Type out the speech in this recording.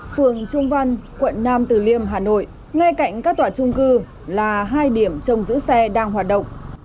phường trung văn quận nam từ liêm hà nội ngay cạnh các tòa trung cư là hai điểm trong giữ xe đang hoạt động